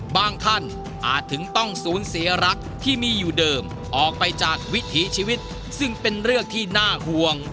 ท่านอาจถึงต้องสูญเสียรักที่มีอยู่เดิมออกไปจากวิถีชีวิตซึ่งเป็นเรื่องที่น่าห่วง